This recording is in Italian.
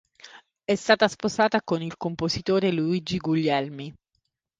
È stata sposata con il compositore Luigi Guglielmi.